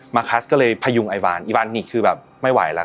คัสก็เลยพยุงไอวานอีวานนี่คือแบบไม่ไหวแล้ว